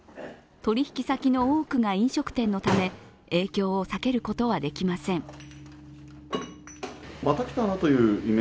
取引先の多くが飲食店のため影響を避けることはできません。